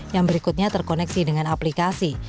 yang berikutnya terkoneksi dengan aplikasi